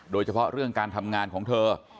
โดยเฉพาะเรื่องการทำงานของเธอ